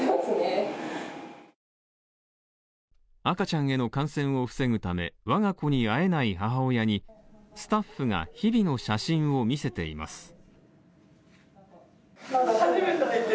赤ちゃんへの感染を防ぐため、我が子に会えない母親にスタッフが日々の写真を見せています。